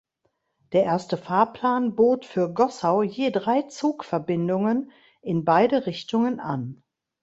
Der erste Fahrplan bot für Gossau je drei Zugverbindungen in beide Richtungen an.